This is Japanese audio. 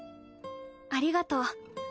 ありがとう。